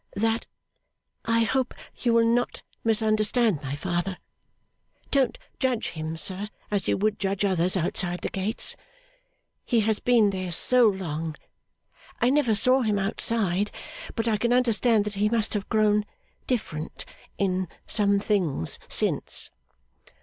'That I hope you will not misunderstand my father. Don't judge him, sir, as you would judge others outside the gates. He has been there so long! I never saw him outside, but I can understand that he must have grown different in some things since.